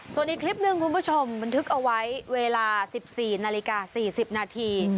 ส่วนอีกคลิปหนึ่งคุณผู้ชมบันทึกเอาไว้เวลา๑๔นาฬิกา๔๐นาที